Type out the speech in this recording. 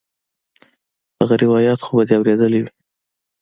هغه روايت خو به دې اورېدلى وي.